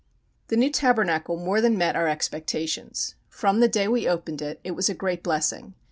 The new Tabernacle more than met our expectations. From the day we opened it, it was a great blessing.